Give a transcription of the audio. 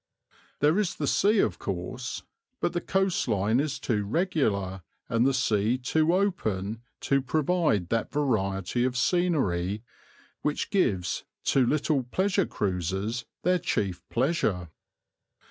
There is the sea of course, but the coastline is too regular and the sea too open to provide that variety of scenery which gives to little pleasure cruises their chief pleasure.